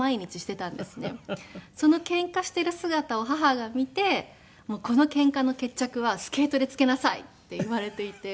そのケンカしている姿を母が見て「このケンカの決着はスケートでつけなさい」って言われていて。